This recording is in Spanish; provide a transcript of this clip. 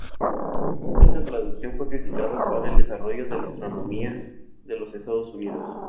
Esta traducción fue crítica para el desarrollo de la astronomía en los Estados Unidos.